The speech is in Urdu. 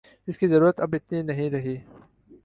اس کی ضرورت اب اتنی نہیں رہی